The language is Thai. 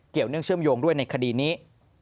เนื่องเชื่อมโยงด้วยในคดีนี้